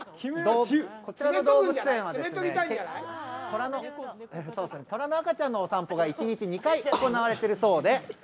こちらの動物園はトラの赤ちゃんのお散歩が１日２回行われているそうで。